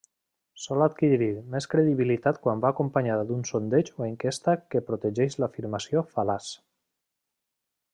Sol adquirir més credibilitat quan va acompanyada d'un sondeig o enquesta que protegeix l'afirmació fal·laç.